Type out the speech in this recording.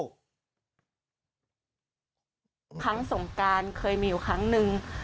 ครั้งสงกรานเคยมีอยู่ครั้งหนึ่ง